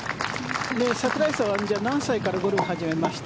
櫻井さんは何歳ぐらいからゴルフを始めました？